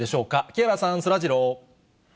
木原さん、そらジロー。